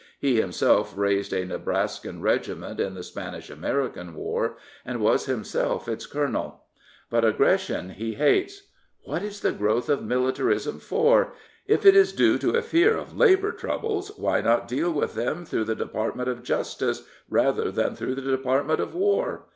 He himself raised a Nebraskan regiment in the Spanish American war, and was himself its colonel. But aggression he hates. " What is this growth of militarism for? If it is due to a fear of labour troubles, why not deal vrith them through the Department of Justice rather than through the Department of War?